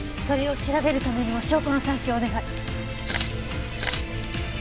それを調べるためにも証拠の採取をお願い。